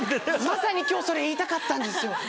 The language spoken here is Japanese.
いやまさに今日それ言いたかったんですよ。